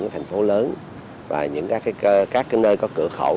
các thành phố lớn và những các nơi có cửa khẩu